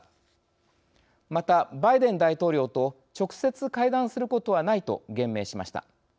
またバイデン大統領と直接会談することはないと言明しました。